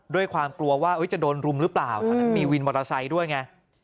ด้วยความกลัวว่าอุ๊ยจะโดนรุมหรือเปล่าอืมมีวินมอเตอร์ไซส์ด้วยไง